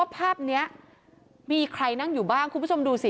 ภาพนี้มีใครนั่งอยู่บ้างคุณผู้ชมดูสิ